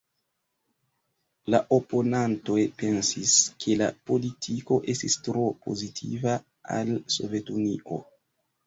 La oponantoj pensis, ke la politiko estis tro pozitiva al Sovetunio.